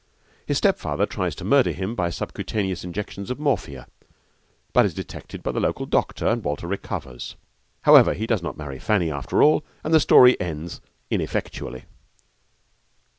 His stepfather tries to murder him by subcutaneous injections of morphia but is detected by the local doctor, and Walter recovers. However, he does not marry Fanny after all, and the story ends ineffectually.